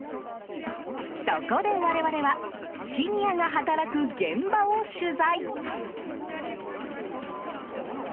そこで我々はシニアが働く現場を取材。